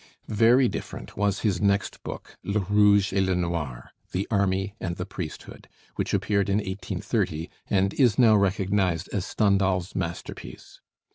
Very different was his next book, 'Le Rouge et Le Noir,' the Army and the Priesthood, which appeared in 1830, and is now recognized as Stendhal's masterpiece.